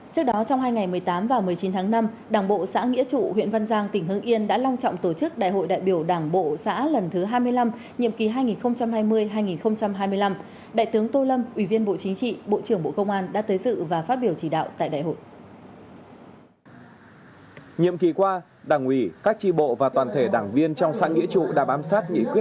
trước đó trong hai ngày một mươi tám và một mươi chín tháng năm đảng bộ xã nghĩa trụ huyện văn giang tỉnh hương yên đã long trọng tổ chức đại hội đại biểu đảng bộ xã lần thứ hai mươi năm nhiệm kỳ hai nghìn hai mươi hai nghìn hai mươi năm